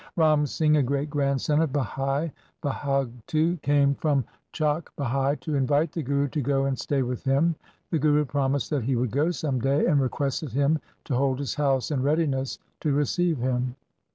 Ram Singh, a great grandson of Bhai Bhagtu, came from Chakk Bhai to invite the Guru to go and stay with him. The Guru promised that he would go some day, and requested him to hold his house in readiness to receive him.